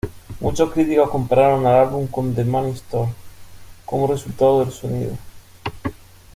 Muchos críticos compararon el álbum con "The Money Store" como resultado del sonido.